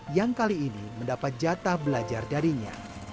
yang kali ini mendapat jatah belajar darinya